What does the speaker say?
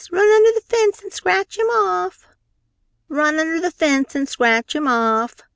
Run under the fence and scratch him off!" "Run under the fence and scratch him off!"